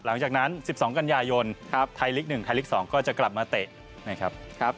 หลังจากนั้น๑๒กันยายนไทยลีก๑ไทยลีก๒ก็จะกลับมาเตะนะครับ